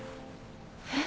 えっ。